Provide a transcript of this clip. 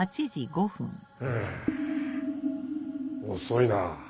遅いなぁ。